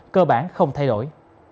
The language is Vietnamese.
cơ bản không thay đổi